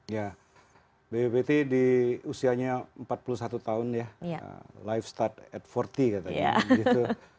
ya bppt di usianya empat puluh satu tahun ya life start at empat puluh